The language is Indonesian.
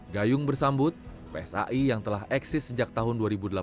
gayung bersambut psai yang telah eksis sejak tahun dua ribu delapan belas